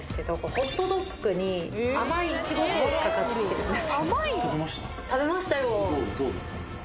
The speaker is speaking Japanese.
ホットドッグに甘いいちごソースかかってるんです